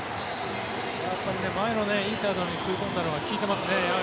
前のインサイドに食い込んだのが効いてますね。